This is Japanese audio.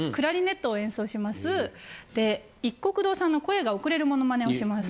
いっこく堂さんの声が遅れるモノマネをします。